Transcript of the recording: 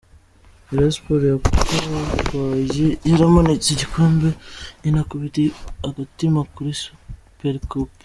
Rayon Sports yakabaye yaramanitse igikombe inakubita agatima kuri Super Cup .